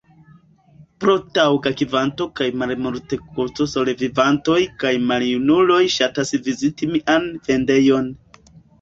Pro taŭga kvanto kaj malmultekosto solevivantoj kaj maljunuloj ŝatas viziti mian vendejon.